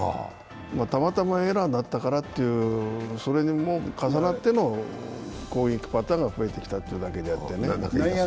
たまたまエラーになったからっていう、それでもう重なっての攻撃パターンが増えてきただけであってね。